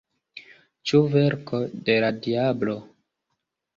Ĉu verko de la diablo?